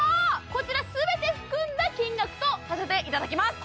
こちら全て含んだ金額とさせていただきます